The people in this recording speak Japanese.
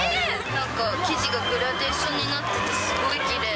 なんか、生地がグラデーションになっててすごいきれい。